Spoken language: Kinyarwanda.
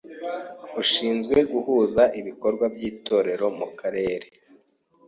f. Ushinzwe guhuza ibikorwa by’Itorero mu Karere;